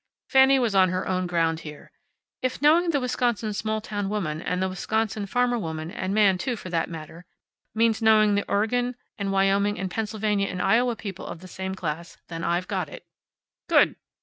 Fanny was on her own ground here. "If knowing the Wisconsin small town woman, and the Wisconsin farmer woman and man too, for that matter means knowing the Oregon, and Wyoming, and Pennsylvania, and Iowa people of the same class, then I've got it." "Good!"